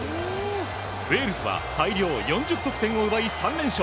ウェールズは大量４０得点を奪い３連勝。